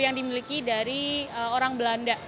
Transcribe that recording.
yang dimiliki dari orang belanda